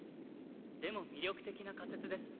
でも魅力的な仮説です。